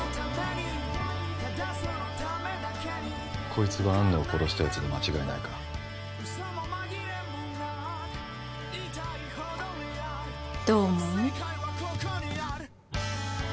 こいつが安野を殺したやつで間違いないかどう思う？